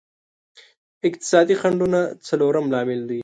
اقتصادي خنډونه څلورم لامل دی.